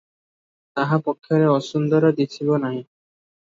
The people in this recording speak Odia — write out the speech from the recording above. ତାହା ପକ୍ଷରେ ଅସୁନ୍ଦର ଦିଶିବ ନାହିଁ ।